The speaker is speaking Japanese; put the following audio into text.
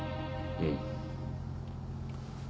うん。